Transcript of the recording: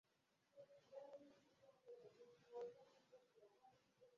gutunge wifurizenye umunsigire urugo no gutunge Gire so,